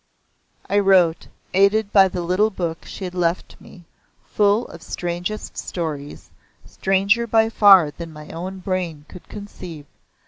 I wrote, aided by the little book she had left me, full of strangest stories, stranger by far than my own brain could conceive.